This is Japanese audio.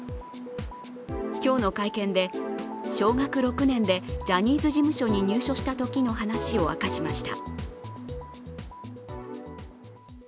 今日の会見で小学６年生でジャニーズ事務所に入所したときの話を明かしました。